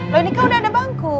loh ini kan udah ada bangku